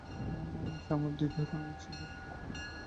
আমার মনে আছে, আমাদের দু ভাইবোনের একসঙ্গে আকিকা হয়।